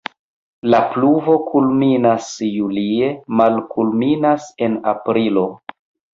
La pluvo kulminas julie, malkulminas en aprilo.